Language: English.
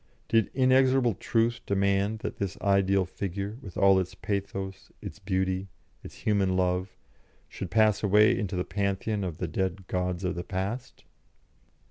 Did inexorable Truth demand that this ideal Figure, with all its pathos, its beauty, its human love, should pass away into the Pantheon of the dead Gods of the Past?